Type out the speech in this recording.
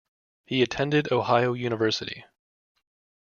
He attended Ohio University.